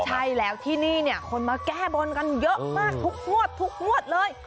ใช่แล้วที่นี่คนมาแก้บณ์บนกันเยอะมากทุกงวดเลย